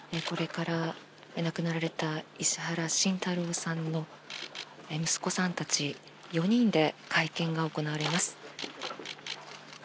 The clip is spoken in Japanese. これから亡くなられた石原慎太郎さんの息子さんたち４人で会見が行われます。